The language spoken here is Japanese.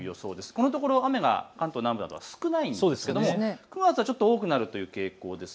このところ雨が関東南部など少ないんですけども９月はちょっと多くなるという傾向です。